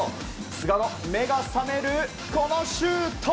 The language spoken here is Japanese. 菅の目が覚めるこのシュート！